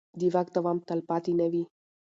د واک دوام تلپاتې نه وي